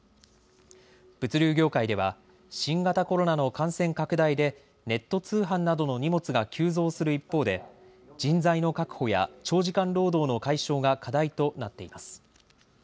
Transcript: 物流業界では新型コロナの感染拡大でネット通販などの荷物が急増する一方で人材の確保や長時間労働の解消が課題となっています。